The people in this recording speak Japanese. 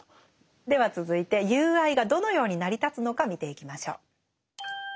では続いて友愛がどのように成り立つのか見ていきましょう。